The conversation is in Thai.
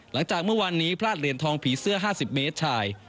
หลังจากเมื่อวานนี้พลาดเหรียญทองผีเสื้อ๕๐เมตรชาย